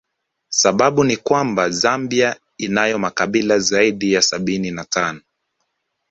Sababu ni kwamba Zambia inayo makabila zaidi ya sabini na tano